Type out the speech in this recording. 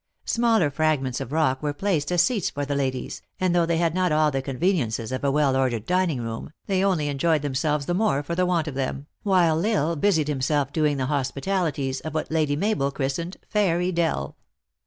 Smaller fragments of rock were placed as seats for the ladies, and though they had not all the conveni ences of a well ordered dining room, they only enjoy ed themselves the more for the want of them, while L Isle busied himself in doing the hospitalities of w r hat Lady Mabel christened " Fairy Dell."